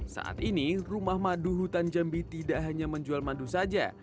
saat ini rumah madu hutan jambi tidak hanya menjual madu saja